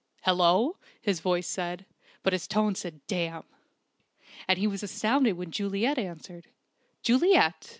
"Hello!" his voice said: but his tone said "Damn!" And he was astounded when Juliet answered. Juliet!